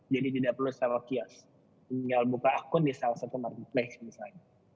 jadi tidak perlu sewa kios tinggal buka akun di salah satu marketplace misalnya